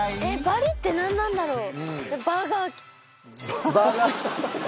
バリって何なんだろう？